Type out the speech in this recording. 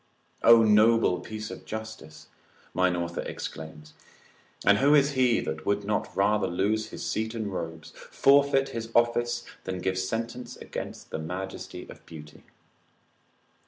O noble piece of justice! mine author exclaims: and who is he that would not rather lose his seat and robes, forfeit his office, than give sentence against the majesty of beauty?